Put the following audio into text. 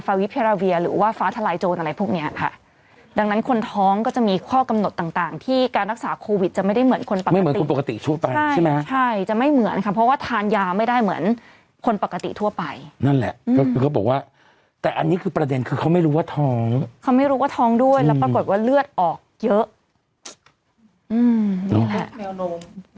ในวิธีเปิดงานโครงการส่งเสริมศิลปะวัฒนธรรมพื้นบ้านแล้วก็กลับกรุงเทพ